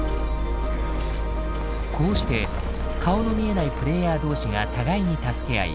こうして顔の見えないプレイヤー同士が互いに助け合い